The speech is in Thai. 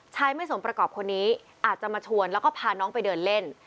ไม่สมประกอบคนนี้อาจจะมาชวนแล้วก็พาน้องไปเดินเล่น